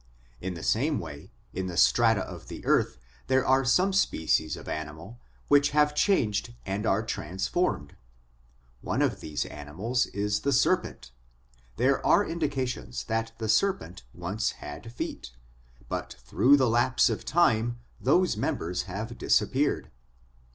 In the same way, in the strata of the earth there are some species of animals which have changed and are transformed. One of these animals is the serpent. There are in dications that the serpent once had feet ; but through the lapse of time those members have disappeared.